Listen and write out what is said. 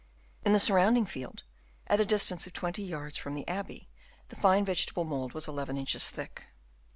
In the surrounding field, at a distance of 20 vards from the abbey, the fine vegetable mould was 1 1 inches thick.